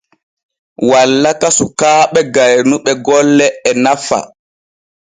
Wallaka suukaaɓe gaynuɓe golle e nafa.